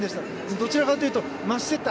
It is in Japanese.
どちらかというと増していった。